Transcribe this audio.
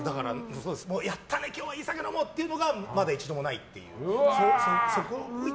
やったね、今日はいい酒飲もうっていうのがまだ一度もないという。